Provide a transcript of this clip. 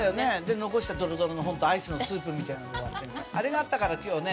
残したドロドロのアイスのスープみたいなのがあれがあったから今日ね